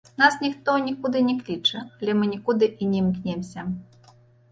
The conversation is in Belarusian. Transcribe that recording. Нас ніхто нікуды не кліча, але мы нікуды і не імкнёмся.